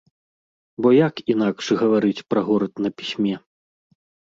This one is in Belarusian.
Бо як інакш гаварыць пра горад на пісьме?